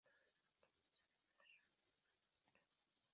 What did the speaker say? akajagari mu Turere tugize Umujyi wa Kigali Hasuzumwe kandi